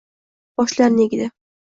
Boshlarini egdi.